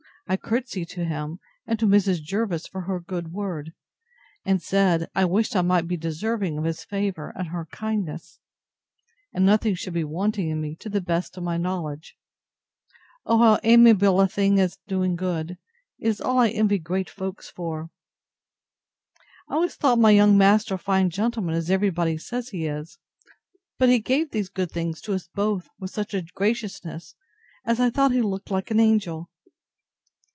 I courtesied to him, and to Mrs. Jervis for her good word; and said, I wished I might be deserving of his favour, and her kindness: and nothing should be wanting in me, to the best of my knowledge. O how amiable a thing is doing good!—It is all I envy great folks for. I always thought my young master a fine gentleman, as every body says he is: but he gave these good things to us both with such a graciousness, as I thought he looked like an angel.